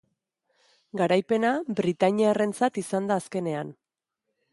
Garaipena britainiarrarentzat izan da azkenean.